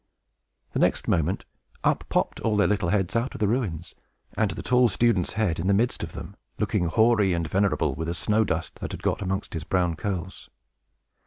The next moment, up popped all their little heads out of the ruins, and the tall student's head in the midst of them, looking hoary and venerable with the snow dust that had got amongst his brown curls.